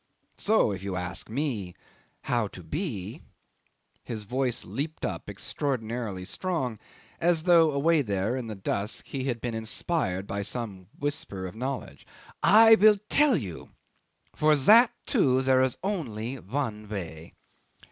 So if you ask me how to be?" 'His voice leaped up extraordinarily strong, as though away there in the dusk he had been inspired by some whisper of knowledge. "I will tell you! For that too there is only one way."